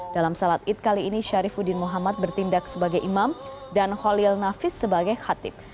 dalam salat id kali ini syarifuddin muhammad bertindak sebagai imam dan holil nafis sebagai khatib